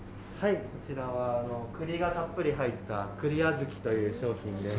こちらは栗がたっぷり入ったくりあずきという商品です。